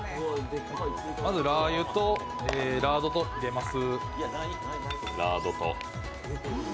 まずラー油とラードを入れます。